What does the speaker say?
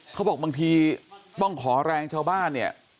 เขาบอกบางทีต้องขอแรงชาวบ้านเนี่ย